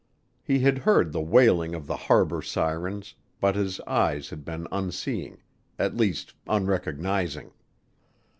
He had heard the wailing of the harbor sirens but his eyes had been unseeing at least unrecognizing.